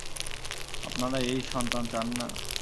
আপনারা এই সন্তান চান না?